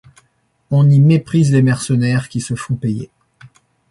On y méprise les mercenaires qui se font payer.